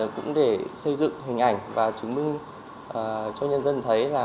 cũng để xây dựng hình ảnh và chứng minh cho nhân dân thấy là